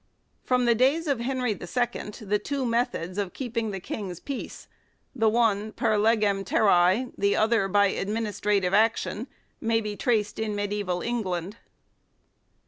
From the days of Henry II, the two methods of keep ing the King's peace the one "per legem terrae," the other by administrative action may be traced in mediaeval England.